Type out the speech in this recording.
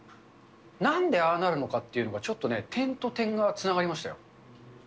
なんでああなるのかっていうのが、ちょっとね、点と点がつながりましたよ。